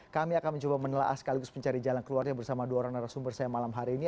kami akan mencoba menelaah sekaligus mencari jalan keluarnya bersama dua orang narasumber saya malam hari ini